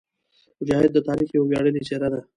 مجاهد د تاریخ یوه ویاړلې څېره ده.